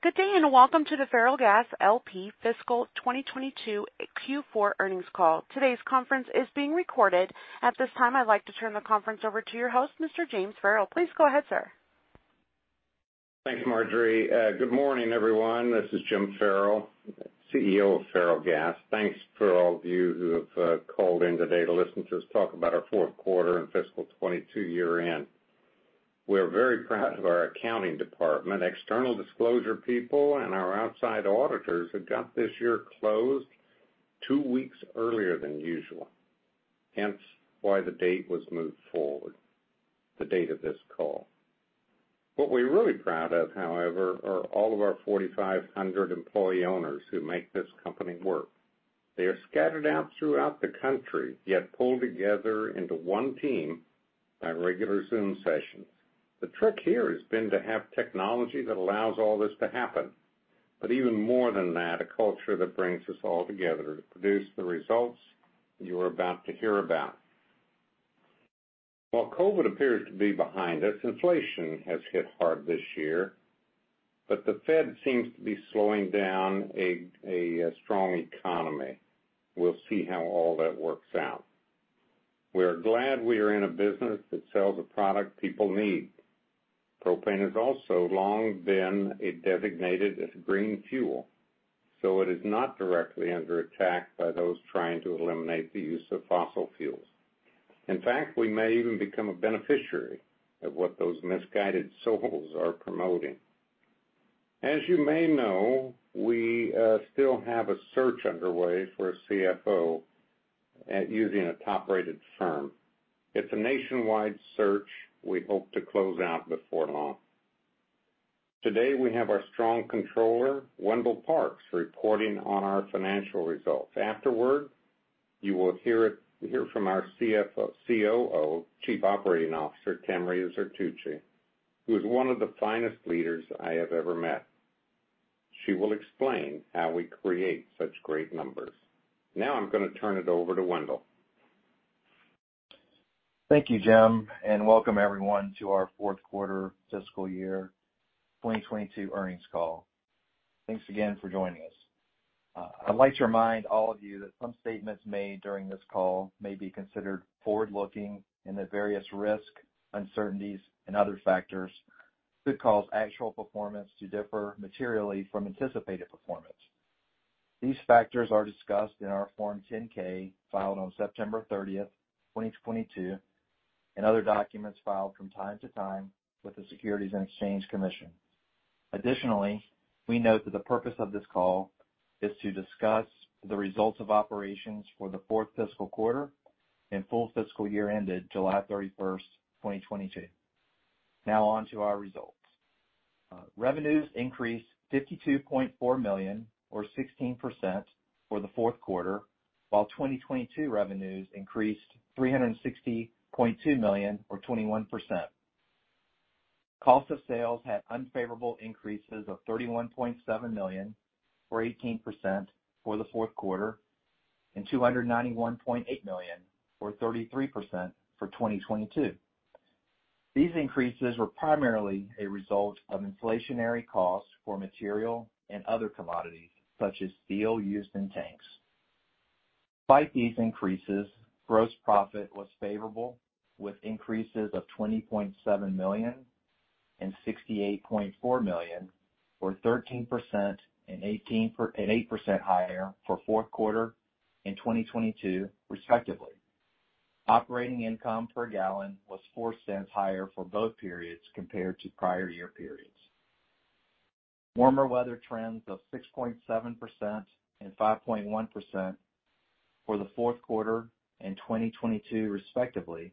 Good day, and welcome to the Ferrellgas, L.P. Fiscal 2022 Q4 earnings call. Today's call is being recorded. At this time, I'd like to turn the call over to your host, Mr. James Ferrell. Please go ahead, sir. Thanks, Marjorie. Good morning, everyone. This is Jim Ferrell, CEO of Ferrellgas. Thanks for all of you who have called in today to listen to us talk about our Q4 and fiscal 2022 year-end. We are very proud of our accounting department. External disclosure people and our outside auditors have got this year closed two weeks earlier than usual, hence why the date was moved forward, the date of this call. What we're really proud of, however, are all of our 4,500 employee owners who make this company work. They are scattered out throughout the country, yet pulled together into one team by regular Zoom sessions. The trick here has been to have technology that allows all this to happen, but even more than that, a culture that brings us all together to produce the results you're about to hear about. While COVID appears to be behind us, inflation has hit hard this year, but the Fed seems to be slowing down a strong economy. We'll see how all that works out. We are glad we are in a business that sells a product people need. Propane has also long been designated as green fuel, so it is not directly under attack by those trying to eliminate the use of fossil fuels. In fact, we may even become a beneficiary of what those misguided souls are promoting. As you may know, we still have a search underway for a CFO using a top-rated firm. It's a nationwide search we hope to close out before long. Today, we have our strong Controller, Wendel Parks, reporting on our financial results. Afterward, you will hear from our COO, Chief Operating Officer, Tamria Zertuche, who is one of the finest leaders I have ever met. She will explain how we create such great numbers. Now I'm gonna turn it over to Wendell. Thank you, Jim, and welcome everyone to our Q4 fiscal year 2022 earnings call. Thanks again for joining us. I'd like to remind all of you that some statements made during this call may be considered forward-looking and that various risk, uncertainties and other factors could cause actual performance to differ materially from anticipated performance. These factors are discussed in our Form 10-K filed on September 30, 2022, and other documents filed from time to time with the Securities and Exchange Commission. Additionally, we note that the purpose of this call is to discuss the results of operations for the fourth fiscal quarter and full fiscal year ended July 31, 2022. Now on to our results. Revenues increased $52.4 million or 16% for the fourth quarter, while 2022 revenues increased $360.2 million or 21%. Cost of sales had unfavorable increases of $31.7 million or 18% for the fourth quarter, and $291.8 million or 33% for 2022. These increases were primarily a result of inflationary costs for material and other commodities, such as steel used in tanks. Despite these increases, gross profit was favorable, with increases of $20.7 million and $68.4 million or 13% and 8% higher for fourth quarter and 2022 respectively. Operating income per gallon was $0.04 higher for both periods compared to prior year periods. Warmer weather trends of 6.7% and 5.1% for the fourth quarter and 2022 respectively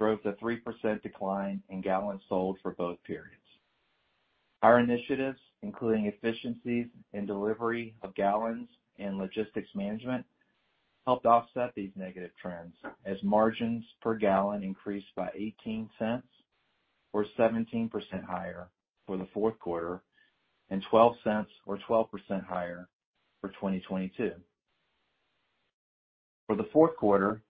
drove the 3% decline in gallons sold for both periods. Our initiatives, including efficiencies in delivery of gallons and logistics management, helped offset these negative trends as margin per gallon increased by $0.18 or 17% higher for the fourth quarter and $0.12 or 12% higher for 2022. For the fourth quarter,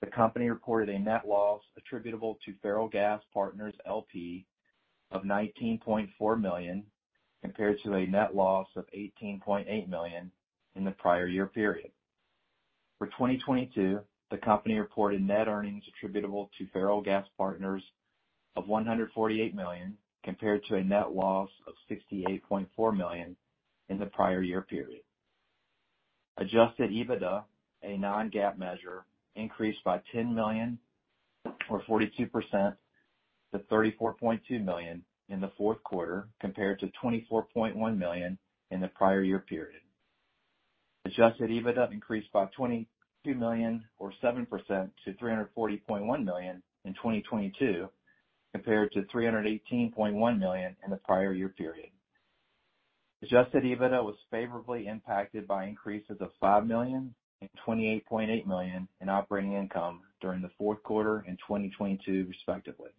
the company reported a net loss attributable to Ferrellgas Partners, L.P. of $19.4 million, compared to a net loss of $18.8 million in the prior year period. For 2022, the company reported net earnings attributable to Ferrellgas Partners of $148 million, compared to a net loss of $68.4 million in the prior year period. Adjusted EBITDA, a non-GAAP measure, increased by $10 million or 42% to $34.2 million in the fourth quarter, compared to $24.1 million in the prior year period. Adjusted EBITDA increased by $22 million or 7% to $340.1 million in 2022, compared to $318.1 million in the prior year period. Adjusted EBITDA was favorably impacted by increases of $5 million and $28.8 million in operating income during the fourth quarter in 2022, respectively.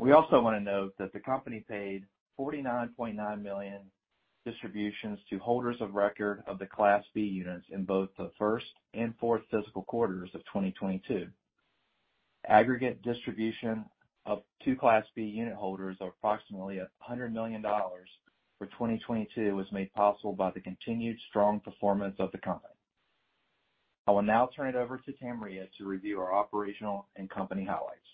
We also wanna note that the company paid $49.9 million Distributions to holders of record of the Class B Units in both the first and fourth fiscal quarters of 2022. Aggregate distributions to Class B unitholders were approximately $100 million for 2022 was made possible by the continued strong performance of the company. I will now turn it over to Tamria to review our operational and company highlights.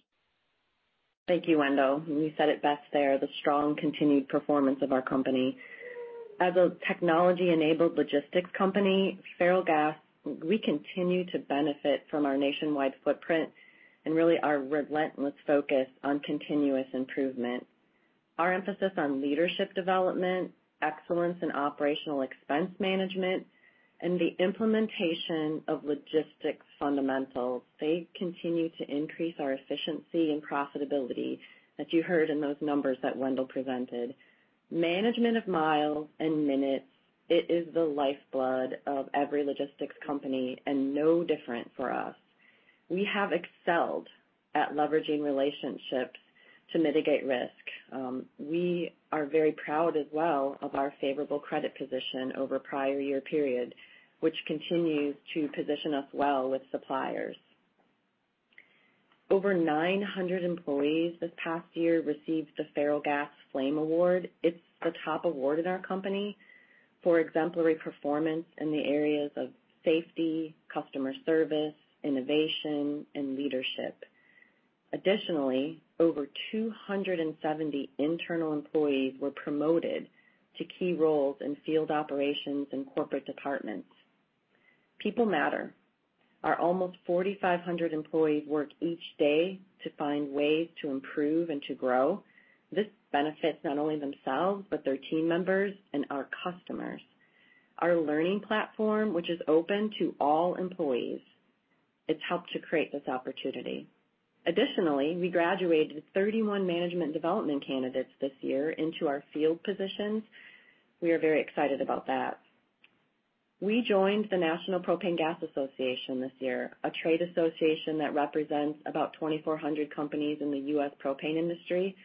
Thank you, Wendell. You said it best there, the strong continued performance of our company. As a technology-enabled logistics company, Ferrellgas, we continue to benefit from our nationwide footprint and really our relentless focus on continuous improvement. Our emphasis on leadership development, excellence in operational expense management, and the implementation of logistics fundamentals, they continue to increase our efficiency and profitability, as you heard in those numbers that Wendell presented. Management of miles and minutes, it is the lifeblood of every logistics company and no different for us. We have excelled at leveraging relationships to mitigate risk. We are very proud as well of our favorable credit position over prior year period, which continues to position us well with suppliers. Over 900 employees this past year received the Ferrellgas Flame Award. It's the top award in our company for exemplary performance in the areas of safety, customer service, innovation, and leadership. Additionally, over 270 internal employees were promoted to key roles in field operations and corporate departments. People matter. Our almost 4,500 employees work each day to find ways to improve and to grow. This benefits not only themselves, but their team members and our customers. Our learning platform, which is open to all employees, it's helped to create this opportunity. Additionally, we graduated 31 management development candidates this year into our field positions. We are very excited about that. We joined the National Propane Gas Association this year, a trade association that represents about 2,400 companies in the US propane industry.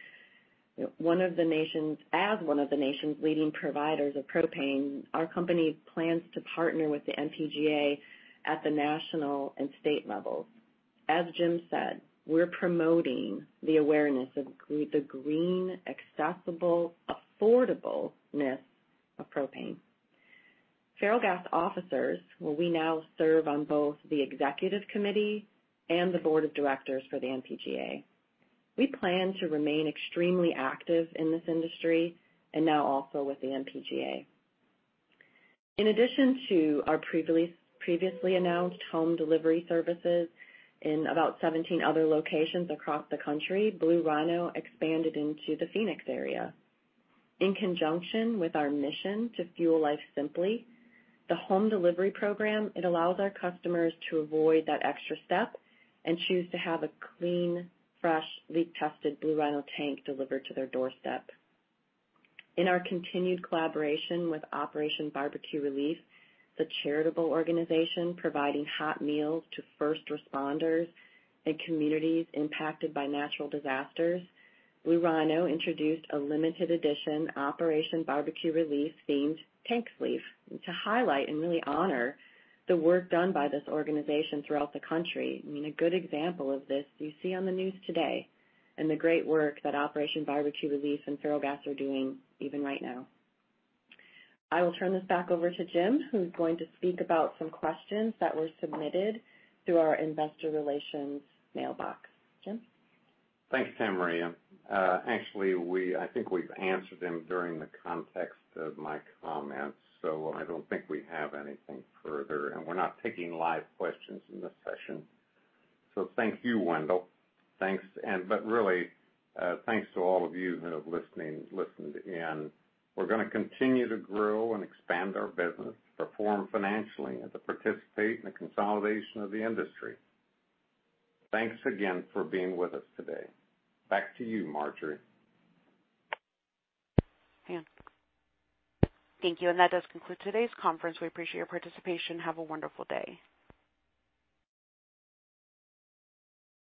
As one of the nation's leading providers of propane, our company plans to partner with the NPGA at the national and state levels. As Jim said, we're promoting the awareness of the green, accessible, affordability of propane. Ferrellgas officers, well, we now serve on both the executive committee and the board of directors for the NPGA. We plan to remain extremely active in this industry and now also with the NPGA. In addition to our previously announced home delivery services in about 17 other locations across the country, Blue Rhino expanded into the Phoenix area. In conjunction with our mission to fuel life simply, the home delivery program, it allows our customers to avoid that extra step and choose to have a clean, fresh, leak-tested Blue Rhino tank delivered to their doorstep. In our continued collaboration with Operation BBQ Relief, the charitable organization providing hot meals to first responders in communities impacted by natural disasters, Blue Rhino introduced a limited edition Operation BBQ Relief-themed tank sleeve to highlight and really honor the work done by this organization throughout the country. I mean, a good example of this you see on the news today and the great work that Operation BBQ Relief and Ferrellgas are doing even right now. I will turn this back over to Jim, who's going to speak about some questions that were submitted through our investor relations mailbox. Jim? Thanks, Tamria. Actually, I think we've answered them in the context of my comments, so I don't think we have anything further, and we're not taking live questions in this session. Thank you, Wendell. Thanks. Really, thanks to all of you who have listened in. We're gonna continue to grow and expand our business, perform financially, and to participate in the consolidation of the industry. Thanks again for being with us today. Back to you, Marjorie. Thank you. That does conclude today's conference. We appreciate your participation. Have a wonderful day.